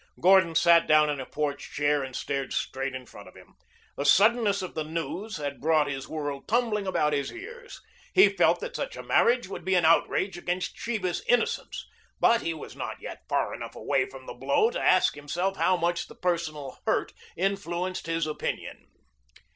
Gordon sat down in a porch chair and stared straight in front of him. The suddenness of the news had brought his world tumbling about his ears. He felt that such a marriage would be an outrage against Sheba's innocence. But he was not yet far enough away from the blow to ask himself how much the personal hurt influenced his opinion.